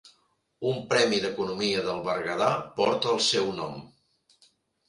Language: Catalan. Un premi d'economia del Berguedà porta el seu nom.